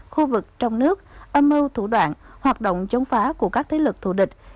khu vực trong nước âm mưu thủ đoạn hoạt động chống phá của các thế lực thù địch